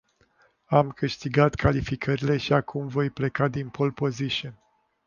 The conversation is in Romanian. Am câștigat calificările și acum voi pleca din pole position.